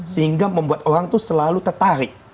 sehingga membuat orang itu selalu tertarik